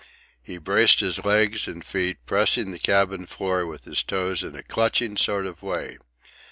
He braced his legs and feet, pressing the cabin floor with his toes in a clutching sort of way.